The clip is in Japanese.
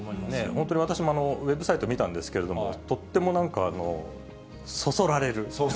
本当に私もウェブサイト見たんですけれども、とってもなんか、そそられる。